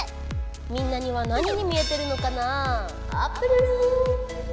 みんなには何に見えてるのかな？